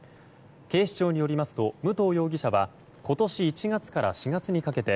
警視庁によりますと武藤容疑者は今年１月から４月にかけて